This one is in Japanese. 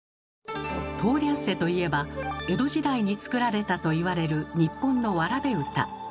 「とおりゃんせ」といえば江戸時代に作られたと言われる日本のわらべうた。